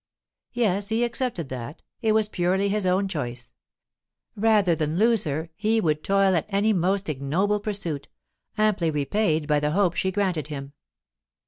Yes, he accepted that; it was purely his own choice. Rather than lose her, he would toil at any most ignoble pursuit, amply repaid by the hope she granted him.